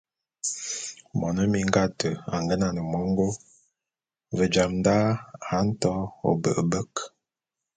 Mone minga ate a ngenan mongô, ve jam da a nto ôbe’ebek.